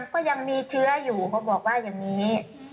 ก็ยังมีเชื้ออยู่เขาบอกว่าอย่างนี้